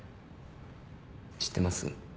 知ってます？